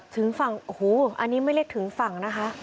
ถึงฝั่งโอ้โหอันนี้ไม่เรียกถึงฝั่งนะคะ